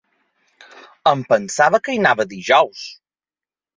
¿? Em pensava que hi anava dijous.